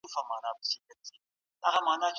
که بیې ټیټې سي خلګ ډیر توکي اخیستلی سي.